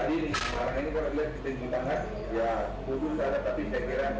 tadi di semarang ini kalau lihat di tinggi tangan